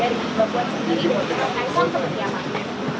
dari bukit baguat sendiri